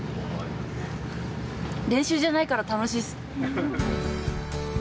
練習じゃないから楽しいです。